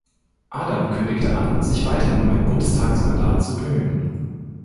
Adam kündigte an, sich weiterhin um ein Bundestagsmandat zu bemühen.